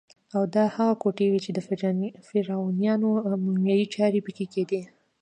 او دا هغه کوټې وې چې د فرعونیانو مومیایي چارې پکې کېدې.